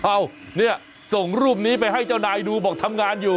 เนี่ยส่งรูปนี้ไปให้เจ้านายดูบอกทำงานอยู่